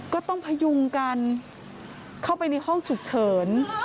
พยุงกันเข้าไปในห้องฉุกเฉิน